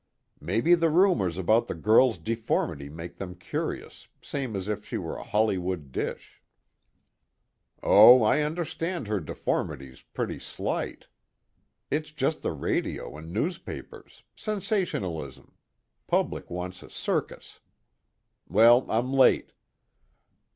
"Maybe the rumors about the girl's deformity make them curious, same as if she were a Hollywood dish." "Oh, I understand her deformity's pretty slight. It's just the radio and papers sensationalism public wants a circus. Well, I'm late."